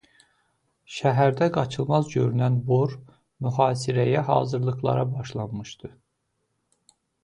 Şəhərdə qaçılmaz görünən bor mühasirəyə hazırlıqlara başlanmışdı.